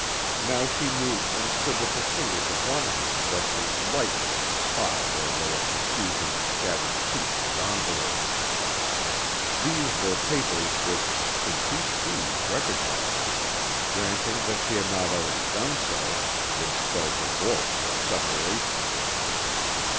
Now she moved and stood with the fingers of one hand resting lightly on the spot where lay a profusion of scattered sheets and envelopes. These were papers which, should she see and recognize them granting that she had not already done so would spell divorce or separation.